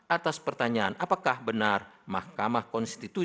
atas pertanyaan apakah benar mahkamah konstitusi